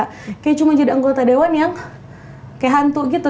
kayak cuma jadi anggota dewan yang kayak hantu gitu